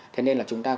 thế nên là chúng ta